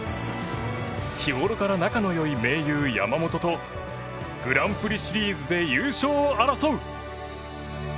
日ごろから仲の良い盟友・山本とグランプリシリーズで優勝を争う。